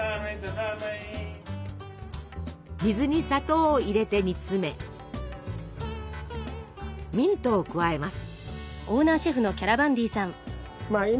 水に砂糖を入れて煮詰めミントを加えます。